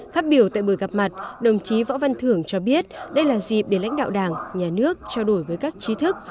phát biểu tại buổi gặp mặt đồng chí võ văn thưởng cho biết đây là dịp để lãnh đạo đảng nhà nước trao đổi với các trí thức